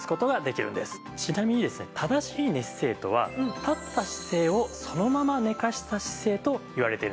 ちなみにですね正しい寝姿勢とは立った姿勢をそのまま寝かせた姿勢といわれているんです。